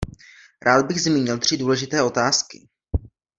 Rád bych zmínil tři důležité otázky.